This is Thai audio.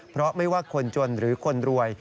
เพราะไม่ว่าคนจนหรือคนรวย